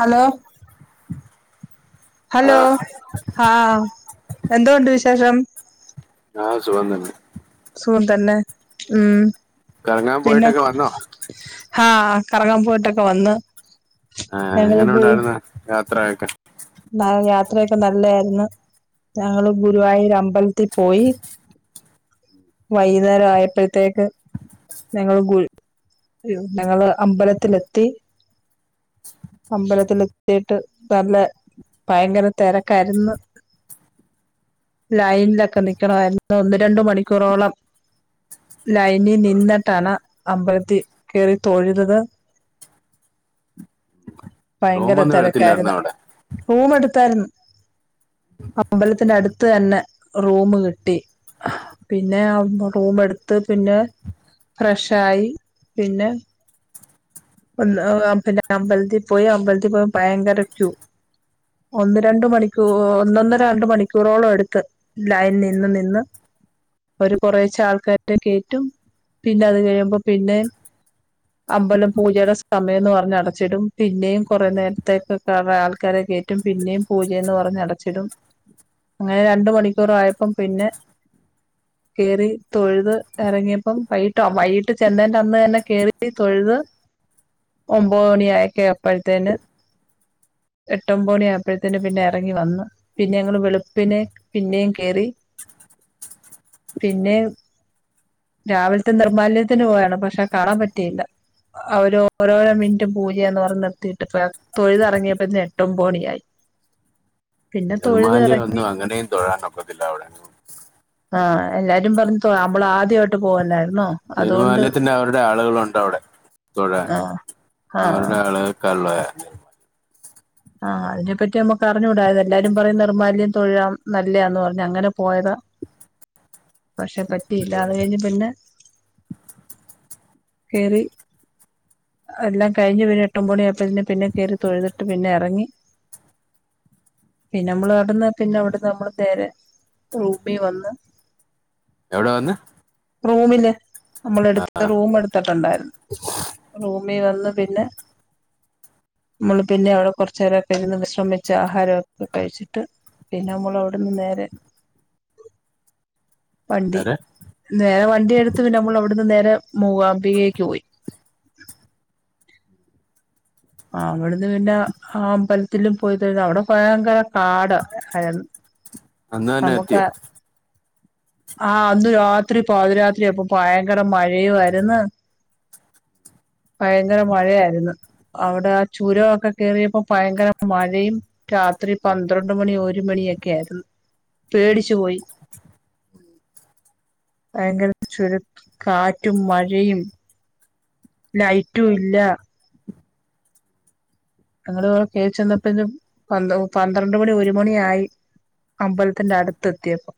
Hello hello ആഹ് ആഹ എന്തോണ്ട് വിശേഷം ആഹ് സുഖം തന്നെ സുഖം തന്നെ ഉം കറങ്ങാൻ പിന്നെ പോയിട്ടൊക്കെ വന്നോ ഹാ കറങ്ങാൻ പോയിട്ടൊക്കെ വന്ന് ആഹ് ഞങ്ങള് എങ്ങനെ ഗു ഉണ്ടായിരുന്നു യാത്രയൊക്കെ [unintelligible] യാത്രയൊക്കെ നല്ലയാരുന്നു ഞങ്ങള് ഗുരുവായൂർ അമ്പലത്തി പോയി വൈകുന്നേരം ആയപ്പഴത്തേക്ക് ഞങ്ങള് ഗുൽ അയ്യോ ഞങ്ങള് അമ്പലത്തിലെത്തി അമ്പലത്തിലത്തീട്ട് നല്ല ഭയങ്കര തെരക്കായിര്ന്ന് ലൈനിലൊക്കെ നിക്കണമായിരുന്നു ഒന്ന് രണ്ട് മണിക്കൂറോളം ലൈനീ നിന്നിട്ടാണ് അമ്പലത്തി കേറി തൊഴുതത് ഭയങ്കര റൂമൊന്നും എടുത്തില്ലായിരുന്നു തെരക്കായിരുന്ന് അവിടെ റൂമ് എടുത്തായിരുന്ന് അമ്പലത്തിന്റെ അടുത്ത് തന്നെ റൂമ് കിട്ടി പിന്നെ റൂമ് എട് ത്ത് പിന്നെ ഫ്രഷായി പിന്നെ ഒന്ന് പിന്നെ അമ്പലത്തി പോയി അമ്പലത്തി പോയ ഭയങ്കര ചൂ ഒന്ന് രണ്ട് മണിക്കൂർ ഒന്നൊന്നര രണ്ട് മണിക്കൂറോളം എടുത്ത് ലൈനി നിന്ന് നിന്ന് അവര് കൊറേഷെ ആൾക്കാരറ്റെ കേറ്റും പിന്നെ അത് കഴിയുമ്പോ പിന്നെ അമ്പലം പൂജയുടെ സമയംന്ന് പറഞ്ഞ് അടച്ചിടും പിന്നെയും കൊറെ നേരത്തേക്കൊക്കെ ആൾക്കാരെ റ്റും പിന്നെയും പൂജയന്ന് പറഞ്ഞ് അടച്ചിടും അങ്ങനെ രണ്ട് മണിക്കൂറ് ആയപ്പം പിന്നെ [inaudible] കേറി തൊഴ്ത് എറങ്ങിയപ്പം വൈകിട്ടോ വൈകിട്ട് ചെന്നേൻ്റെ അന്ന് തന്നെ കേറി തൊഴുത് ഒമ്പത് മണി ആയിക്ക അപ്പഴത്തേന് എട്ടൊമ്പ മണിയായപ്പഴത്തേന് പിന്നെ എറങ്ങി വന്ന് പിന്നെ ഞങ്ങള് വെളുപ്പിനെ പിന്നെയും കേറി [inaudible] പിന്നേം രാവിലത്തെ നിർമ്മാല്യത്തിന് പോയാണ് പക്ഷെ കാണാൻ പറ്റിയില്ല അവരോരോ മിനിറ്റും പൂജയാന്ന് പറഞ്ഞ് നിർത്തിട്ട് [unintelligible] തൊഴുത് എറങ്ങിയപ്പത്തിന് എട്ട് ഒമ്പത് മണിയായി പിന്നെ തൊഴുത് ഇറങ്ങി നിർമാല്യം ഒന്നും അങ്ങനെയും തൊഴൻ ഒക്കത്തില്ല അവടെ ആഹ് എല്ലാരും പറഞ് തൊ നമ്മള് ആദ്യായിട്ട് പോവല്ലാരുന്നോ നീരുമാല്യത്തിന് അവരുടെ ആളുകളുണ്ട് അവടെ തൊഴാൻ ആ ആ അവരുടെ ആള് ക്കൾ വേ ആഹ് അതിനെ പറ്റി നമ്മക്ക് അറിഞ്ഞൂട എല്ലാരും പറയും നിർമ്മാല്യം തൊഴാം നല്ലയാന്ന് പറഞ്ഞ് അങ്ങനെ പോയതാ പക്ഷെ പറ്റിയില്ല അത് കഴിഞ്ഞ് പിന്നെ കേറി എല്ലാം കഴിഞ്ഞ് പിന്നെ എട്ട് ഒമ്പണി ആയപ്പത്തിന് പിന്നെ കേറി തൊഴുതിട്ട് പിന്നെ എറങ്ങി പിന്നെ നമ്മള് അവിട്ന്ന് പിന്നെ അവിടുന്ന് നമ്മള് നേരെ റൂമി വന്ന് എവടെ വന്ന് റൂമില് നമ്മൾ എടുത്ത റൂമ് എടുത്തിട്ടുണ്ടായിരുന്നു റൂമി വന്ന് പിന്നെ നമ്മള് പിന്നെ അവടെ കൊറച്ചേരൊക്കെ ഇരുന്ന് വിശ്രമിച്ച് ആഹാരവൊക്കെ കഴിച്ചിട്ട് പിന്നെ നമ്മള് അവടുന്ന് നേരെ വണ്ടി അരെ നേരെ വണ്ടി എടുത്ത് നമ്മള് അവിടുന്ന് നേരെ മൂകാംമ്പികേക്ക് പോയി അവിടെന്ന് പിന്നെ ആ അമ്പലത്തിലും പോയി തോഴ്ത് അവടെ ഭയങ്കര പാട അയൻ അന്ന് തന്നെ നമുക്ക് എത്തിയോ ആഹ് അന്ന് രാത്രി പതിരാത്രി അപ്പൊ ഭയങ്കര മഴയു ആര്ന്ന് ഭയങ്കര മഴയാരുന്നു അവടെ ചുരവൊക്കെ കേയറിയപ്പോ ഭയങ്കര മഴയും രാത്രി പന്ത്രണ്ട് മണി ഒരു മണിയൊക്കെ ആരുന്നു പേടിച്ചു പോയി ഭയങ്കര ചുരു കാറ്റും മഴയും ലൈറ്റുല്ല ഞങ്ങള് കേറി ചെന്നപ്പോനും പന്ത് പന്ത്രണ്ട് മണി ഒര് മണിയായി. അമ്പൽത്തിന്റെ അടുത്തെത്തിയപ്പൊ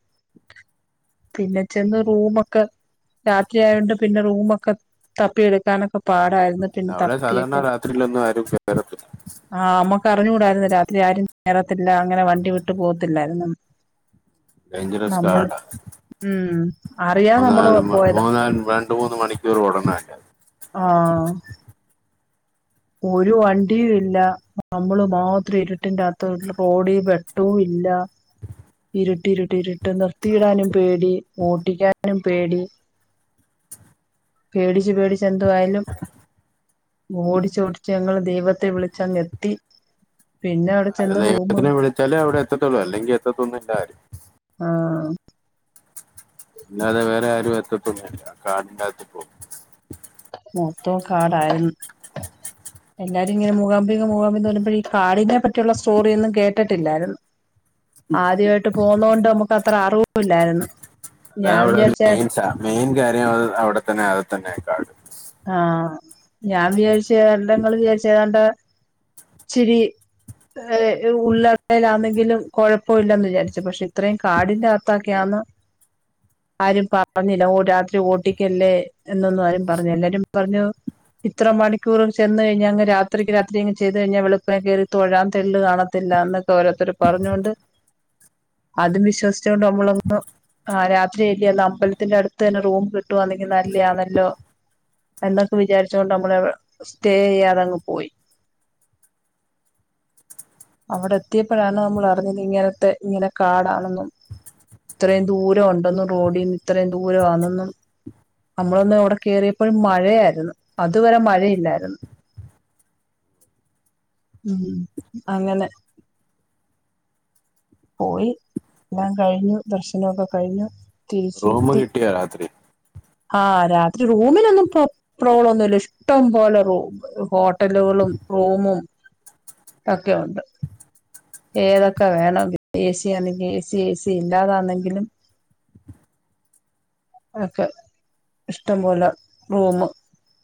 പിന്നെ ചെന്ന് റൂമൊക്കെ രാത്രിയായൊണ്ട് പിന്നെ റൂമൊക്കെ തപ്പിയെടുക്കാനൊക്കെ പാടായ് അവിടെ സാധാരണ രാത്രിയിലൊന്നും ആരും [unintelligible] ആഹ് അമ്മക്ക് അറിഞ്ഞുകൂടായിരുന്നു രാത്രി ആരും കേറത്തില്ല അങ്ങനെ വണ്ടി വിട്ട് പോത്തില്ലായിരുന്നെന്ന് ഡെയ്ഞ്ചറസ് കാടാ ഉം അറിയാതെ നമ്മള് മൂന്നാല് പോയതാ മൂന്നാല് രണ്ട് മൂന്ന് മണിക്കൂർ ഓടണലേ ആഹ് ഒരു വണ്ടിയും ഇല്ല. നമ്മള് മാത്രം ഇരുട്ടിന്റെ അകത്ത് റോഡീ വെട്ടവും ഇല്ല ഇരുട്ട് ഇരുട്ട് ഇരുട്ട് നിർത്തിയിടാനും പേടി ഓട്ടിക്കാനും പേടി. പേടിച്ച് പേടിച്ച് എന്തുവായാലും ഓടി ച്ചോടിച്ച് ഞങ്ങള് ദൈവത്തെ വിളിച്ചങ്ങെത്തി. പിന്നെ അവിടെ അത് ചെന്ന് റൂമ് ദൈവത്തിനെ വിളിച്ചാലേ അവിടെ എത്തത്തുള്ളൂ അല്ലെങ്കി എത്തൊത്തൊന്നുല്ലാരും. ആഹ് അല്ലാതെ വേറെ ആരും എത്തത്തൊന്നില്ല. കാട്ട്ന്റെത്തിപ്പൊ. മൊത്തോ കാടായിരുന്നു. എല്ലാരും ഇങ്ങനെ മൂകാമ്പിക മൂകാമ്പിന്നർഞ്ഞപ്പെഴേ ഈ കാടിനെ പറ്റിയുള്ള സ്റ്റോറിയൊന്നും കേട്ടട്ടില്ലായ്രുന്നു. ആദ്യവായിട്ട് പോകുന്നോണ്ട് നമുക്ക് അത്ര അറിവുല്ലായ്രുന്നു. ഞാൻ വിചാരിച്ചെ മെയ്ൻ കാര്യം അത് അവിടെത്തന്നെ അത് തന്നെ കാ ആഹ് ഞാൻ വിചാര്ച്ച എന്തങ്ങള് വിചാര്ച്ച ഏതാണ്ട് ഇച്ചിരി ഉള്ള [unintelligible] ണെങ്കിലും കൊഴപ്പമില്ലന്ന് വിചാര്ച്ചു. പശേ ഇത്രയും കാടിന്റെ അത്തൊക്കെയാന്ന് ആരും പറഞ്ഞില്ല രാത്രി ഓട്ടിക്കല്ലേ എന്നൊന്നും ആരും പറഞ്ഞില്ല. [unintelligible] ഇത്ര മണിക്കൂർ ചെന്ന് കഴിഞ്ഞാ അങ്ങ് രാത്രിക്ക് രാത്രിയങ്ങ് ചെയ്ത് കഴിഞ്ഞാ വെളുപ്പിനെ കേറി തൊഴാൻ തെള്ള് കാണത്തില്ല എന്ന ഓരോരുത്തര് പറഞ്ഞോണ്ട് അതും വിശ്വസിച്ചോണ്ട് നമ്മളന്ന് ആഹ് രാത്രിയല്ലേ അമ്പൽത്തിന്റെ അടുത്ത് തന്നെ റൂം കിട്ടുവാന്നെങ്കി നല്ലയാന്നല്ലോ. എന്നൊക്കെ വിചാരിച്ചോണ്ട് നമ്മള് സ്റ്റേയ്യാതെങ്ങ് പോയി. അവിടെ എത്തിപ്പോഴാണ് നമ്മള് അറിഞ്ഞത് ഇങ്ങനത്തെ ഇങ്ങനെ കാടാണെന്നും ഇത്രയും ദൂരം ഒണ്ടന്നും റോഡിന്ന് ഇത്രയും ദൂരവാന്നെന്നും നമ്മളൊന്ന് അവ്ടെ കേറിയപ്പഴും മഴയായ്രുന്ന്. അതുവരെ മഴയില്ലായിര്ന്നു. ഉം അങ്ങനെ പോയി ല്ലാം കഴിഞ്ഞു ദർശനൊക്കെ കഴിഞ്ഞു റൂം തിരിച്ചെത്തി. കിട്ടിയോ രാത്രി ആഹ് രാത്രി റൂമിനൊന്നും പ്രോ പ്രോബ്ളം ഒന്നുല്ല ഇഷ്ടം പോലെ റൂം ഹോ ട്ടലുകളും റൂമും ഒക്കെ ഉണ്ട്. ഏതൊക്കെ വേണങ്കി ഏ സി ആന്നെങ്കി ഏ സി ഏ സി ഇല്ലാതാന്നെങ്കിലും ഓക്കെ ഇഷ്ടം പോലെ റൂമ്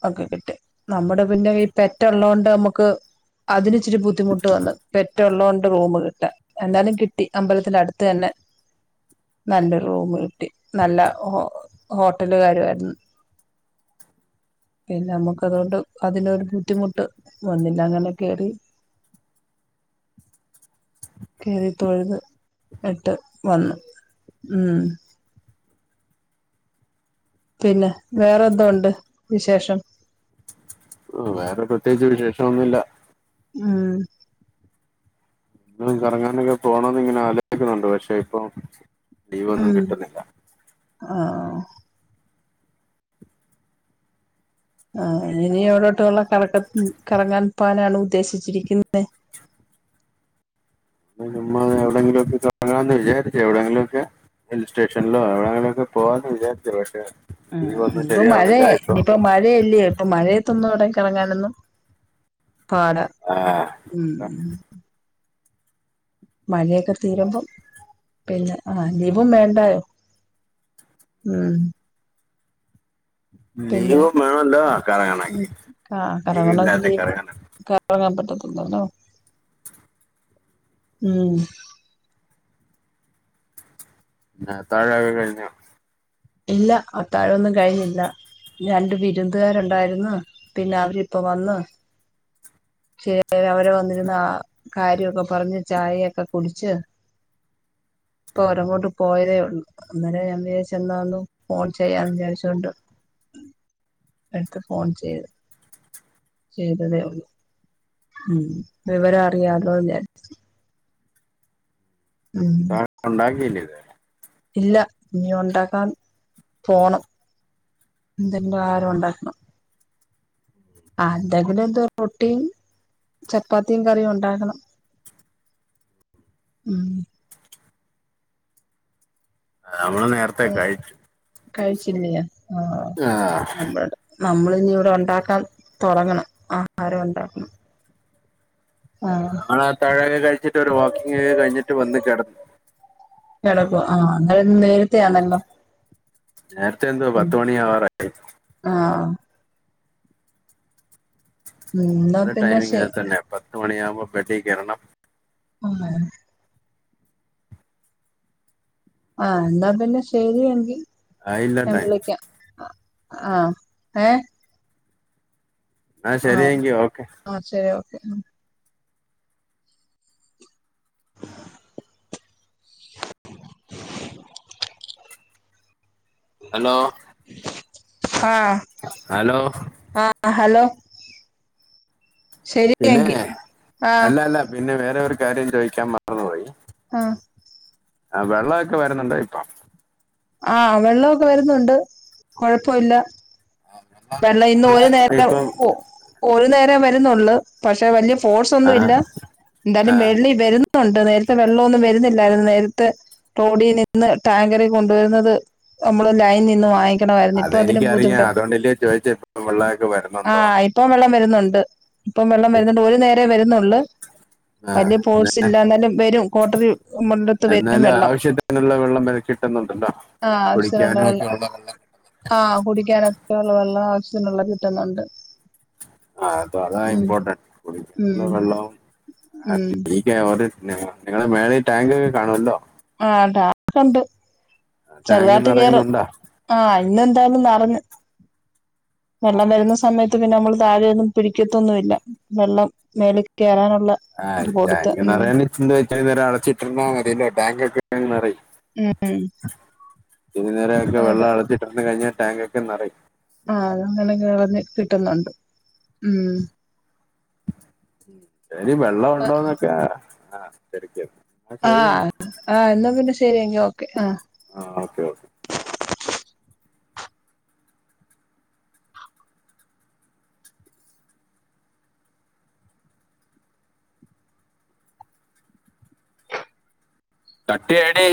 ഒക്കെ കിട്ടി നമ്മുടെ പിന്നെ ഈ പെറ്റള്ളോണ്ട് നമുക്ക് അതിന് ഇച്ചിരി ബുദ്ധിമുട്ട് വന്ന് പെറ്റള്ളോണ്ട് റൂമ് കിട്ടാൻ എന്തായാലും കിട്ടി അമ്പലത്തിന്റെ അടുത്ത് തന്നെ നല്ല റൂം കിട്ടി നല്ല ഹോ ഹോട്ടലുക്കാരും ആയ്രുന്നു പിന്നെ അമ്മുക്ക് അതുകൊണ്ട് അതിനൊരു ബുദ്ധിമുട്ട് വന്നില്ല. അങ്ങനെ കേറി. [inaudible] കേറി തൊഴുത് ഇട്ട് വന്ന് ഉം പിന്നെ വേറെന്തോ ഉണ്ട് വിശേഷം? വേറെ പ്രത്യേകിച്ച് വിശേഷംന്നുല്ല. ഉം [unintelligible] കറങ്ങാനൊക്കെ പോണംന്ന് ഇങ്ങനെ ആലോചിക്കുന്നുണ്ട് പക്ഷെ ഇപ്പൊ ലീവൊന്നും ഉം കിട്ടുന്നില്ല. ആഹ് ആ ഇവടോട്ടുള്ള കറക്ക കറങ്ങാൻ പോവാനാണ് ഉദ്ദേശിച്ചിരിക്കുന്നെ നമ്മൾ എവിടെങ്കിലും ഒക്കെ കറങ്ങാമെന്നാ വിചാരിച്ചേ എവിടെയെങ്കിലും ഒക്കെ ഹിൽ സ്റ്റേഷനിലോ എ വിടെങ്കി ലൊക്കെ പോവാന്ന് വിചാരിച്ച് പക്ഷേ ഉ ഇപ്പ മഴയ ഇനിയിപ്പ മഴല്ല്യോ ഇപ്പ മഴ ന്നട കിണങ്ങാനൊന്നും പാട [unintelligible] ആഹ ഉം മഴയൊക്കെ തീരുമ്പൊ പിന്നെ ആ ലീവും വേണ്ടായൊ ഉം പിന്നെ ലീവും വേണമല്ലോ കറങ്ങണമെങ്കിൽ ലീവ് ഇല്ലാതെ കറങ്ങണോങ്കിനി കറങ്ങണം ഉറങ്ങാൻ പറ്റത്തില്ലല്ലോ ഉം താഴ വ [unintelligible] ഇല്ല അത്താഴൊന്നും കഴിഞ്ഞില്ല രണ്ട് ബിരുന്തുകാരുണ്ടാരുന്നു പിന്നെ അവരിപ്പൊ വന്ന് ശ അ അവരെ വന്നിരുന്ന ആ കാര്യക്കെ പറഞ്ഞ് ചായയൊക്കെ കുടിച്ച് ഇപ്പൊ ഓരങ്ങോട്ട് പോയതേ ഉള്ളൂ അന്നേരെ ഞാൻ വിചാരിച്ചു എന്നാഒന്ന് ഫോൺ ചെയ്യാന്ന് വിചാരിച്ചോണ്ട് എടുത്ത് ഫോൺ ചെയ്ത് ചെയ്തതേ ഉള്ള് ഉ വിവരം അറിയാല്ലോന്ന് വിചാരിച്ച് ഉം ഉണ്ടാക്കിയില്ല ല്ലെ ഇല്ല ഇനീ ഒണ്ടാക്കാൻ പോണം എന്തെങ്കിലും ആഹാരം ഉണ്ടാക്കണം ആ എന്തെങ്കിലും എന്തോ റൊ ട്ടിയും ചപ്പാത്തിയും കറിയും ഉണ്ടാക്കണം ഉ അ നമ്മള് നേരത്തെ കഴിച്ചു കഴിച്ചില്ല്യ ആഹ ആഹ് നമ്മളിനി ഇവിടെ ഉണ്ടാക്കാൻ തൊ ടങ്ങണം ആഹാരം ഉണ്ടാക്കണം ആഹ് ആള ആ ത്താഴൊക്കെ കഴിച്ചിട്ട് ഒരു വാക്കിംഗ് ഒക്കെ കഴിഞ്ഞിട്ട് വന്ന് കെട കിടക്കുവാ ആഹ് ഇങ്ങളിന്ന് ഉം. നേരത്തെയാണല്ലോ നേരത്തെ എന്തൊ പത്ത് മണി അവാറായി ആഹ എന്നാ നമ്മളെ ടൈം പിന്നെ ശെ ഇങ്ങനെ തന്നെയ പത്ത് മണിയാകുമ്പൊ ബെഡിൽ കേറണം ആഹ [unintelligible] ആഹ എന്നാ പിന്നെ ശരിയങ്കി ആയില്ല ഞാ ൻ ടൈം വിളിക്കാം ആഹ ഏ ആഹ ശരിയങ്കി ഓക്കെ ആ ശരി ഓക്കെ ഹലോ ആഹ് ഹലോ ആ ഹലോ ശരി പിന്നെ എങ്കി ആ അല്ല അല്ല പിന്നെ വേറെ ഒരു കാര്യം ചോദിക്കാൻ മറന്നു ആഹ ആ വെള്ളവൊക്കെ വരുന്നുണ്ട ഇപ്പം ആഹ വെള്ളവൊക്കെ വരുന്നുണ്ട് കൊഴപ്പല്ല വെള്ളം ഇന്ന് ഒരു നേരം ഇപ്പം പോ ഒരു നേരെ വരുന്നൊള്ള് പക്ഷെ വലിയ ഫോഴ്സ് ആ ഒന്നുമില്ല ആ എന്തായാലും വെള്ളി വരുന്ന ണ്ട് നേരത്തെ വെള്ളമൊന്നും വരുന്നില്ലാരുന്നു നേരത്തെ ടോഡിൽ നിന്ന് ടാങ്കറിൽ കൊണ്ടുവരുന്നത് നമ്മള് ലൈൻ നിന്ന് വാങ്ങി അതെനിക്കറിയാം അതൊ ണ്ടല്ലേ ചോദിച്ചപ്പം വെള്ളോക്കെ വരുന്നു ആഹ് ണ്ടോന്ന് ഇപ്പം വെള്ളം വരുന്നുണ്ട് ഇപ്പം വെള്ളം വരുന്നുണ്ട് ഒരു നേര വരുന്നുള്ളു ആ വല്യയ എന്നാ- പോഴ്സ് ഇല്ലാ എന്നാലും വരും കോട്ടറി മുണ്ടത്ത് വരും വെള്ളം വരുന്നുണ്ടല്ലോ ആഹ് അവശ്യത്തിനുള്ള വെള്ളം ആഹ് കുടിക്കാനൊക്കെ ഉള്ള വെള്ളം ആവശ്യത്തിനുള്ള കിട്ടുന്നുണ്ട് ആ അത അതാ ഉം ഇമ്പോർട്ടന് കുടിക്കാനുള്ള ഉം വെള്ളവും ആ [unintelligible] ഉം [unintelligible] നിങ്ങള മേളെ ടാങ്ക് ഒക്കെ കാണുമല്ലോ ആഹ് ഡാങ്ക്ണ്ട് ആ, ടാങ്ക് ചെറുതായിട്ട് കേറും നിറയുന്നുണ്ടോ ആഹ് ഇന്ന എന്തായും നറഞ്ഞ് വെള്ളം വരുന്ന സമയത്ത് പിന്നെ നമ്മള് താഴെയൊന്നും പിടിക്കത്തൊന്നുമില്ല വെള്ളം മേല് കയറാനുള്ള ആഹ്ടാങ്ക് നിറയണ ന്ത വെച്ച നേരം അടച്ചിട്ടിന്ന അറല്ലേ ടാക് ഒക്കെ ഇപ്പ നിറയും ഉം തിരിനര ഒക്കെ അതെ വെള്ളം അച്ചത്തിട്ട് വന്ന് കഴിഞ്ഞാൽ ടാങ്ക് ഒക്കെ നിറയും ആഹ് അ അങ്ങനൊക്കെളഞ്ഞ കിട്ടുന്നുണ്ട് ഉം എടി വെള്ളം ഉണ്ടോന്നൊക്കെ ആ ശെരിക്കും ആഹ് ആ എന്നാ പിന്നെ ശരിയങ്കി ഓക്കെ ആഹ് ആ ഓക്കെ ഓക്കെ കട്ട്ചെയ്യടി